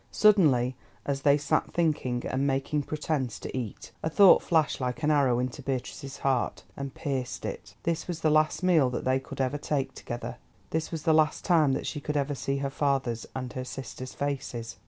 Suddenly, as they sat thinking, and making pretence to eat, a thought flashed like an arrow into Beatrice's heart, and pierced it. This was the last meal that they could ever take together, this was the last time that she could ever see her father's and her sister's faces.